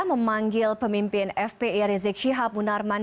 memanggil pemimpin fpi rizik syihab munarman